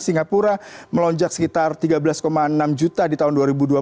singapura melonjak sekitar tiga belas enam juta di tahun dua ribu dua puluh